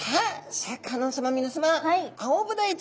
シャーク香音さま